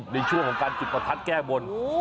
ในช่วงของการจุดประทัดแก้บน